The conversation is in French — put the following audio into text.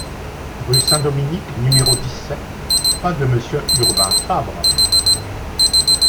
Rue Saint-Dominique, numéro dix-sept, pas de monsieur Urbain Fabre!